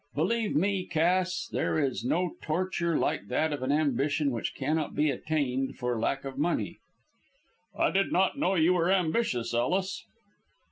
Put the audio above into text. Believe me, Cass, there is no torture like that of an ambition which cannot be attained for lack of money." "I did not know you were ambitious, Ellis."